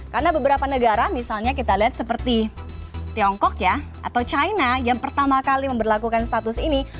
karena beberapa negara misalnya kita lihat seperti tiongkok ya atau china yang pertama kali memperlakukan status ini